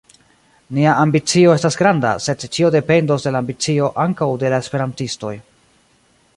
Nia ambicio estas granda, sed ĉio dependos de la ambicio ankaŭ de la esperantistoj.